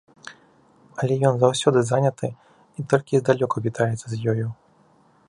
Але ён заўсёды заняты і толькі здалёку вітаецца з ёю.